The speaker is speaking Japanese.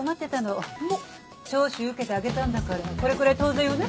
聴取受けてあげたんだからこれくらい当然よね？